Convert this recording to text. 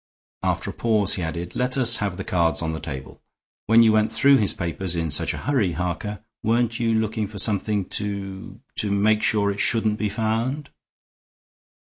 After a pause he added: "Let us have the cards on the table. When you went through his papers in such a hurry, Harker, weren't you looking for something to to make sure it shouldn't be found?"